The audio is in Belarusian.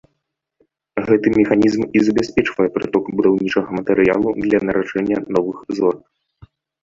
Гэты механізм і забяспечвае прыток будаўнічага матэрыялу для нараджэння новых зорак.